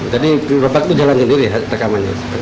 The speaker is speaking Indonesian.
jadi gerobak itu jalan sendiri rekaman ya